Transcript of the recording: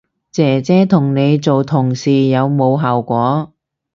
姐姐同你做同事有冇效果